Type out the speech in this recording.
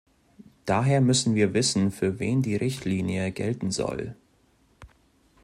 Daher müssen wir wissen, für wen die Richtlinie gelten soll.